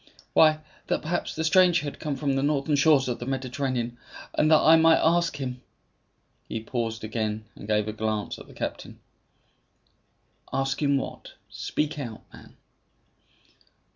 "Why, that perhaps the stranger had come from the northern shores of the Mediterranean, and that I might ask him " He paused again, and gave a glance at the captain. "Ask him what? Speak out, man?"